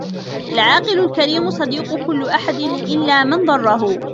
الْعَاقِلُ الْكَرِيمُ صَدِيقُ كُلِّ أَحَدٍ إلَّا مَنْ ضَرَّهُ